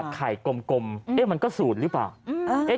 ไข่กลมมันก็สูตรหรือเปล่า